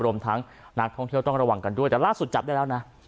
รวมทั้งนักท่องเที่ยวต้องระวังกันด้วยแต่ล่าสุดจับได้แล้วนะ